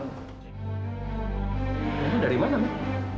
mama dari mana ma